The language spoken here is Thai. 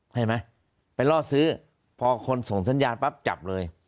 เห็นไหมไปล่อซื้อพอคนส่งสัญญาณปั๊บจับเลย